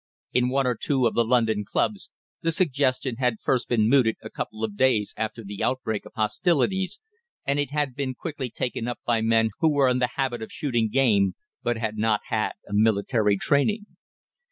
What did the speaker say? In one or two of the London clubs the suggestion had first been mooted a couple of days after the outbreak of hostilities, and it had been quickly taken up by men who were in the habit of shooting game, but had not had a military training.